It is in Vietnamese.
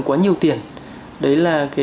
quá nhiều tiền đấy là